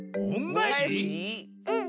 うん。